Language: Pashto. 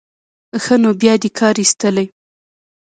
ښه نو بیا دې کار ایستلی.